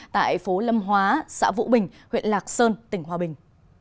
tại phố lâm hóa xã vũ bình huyện lạc sơn tỉnh hòa bình